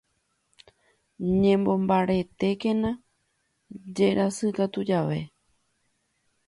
Chemombaretékena cherasykatu jave.